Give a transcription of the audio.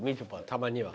たまには。